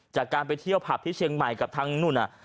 จากการไปเที่ยวผับที่เชียงใหม่กับทางนู่น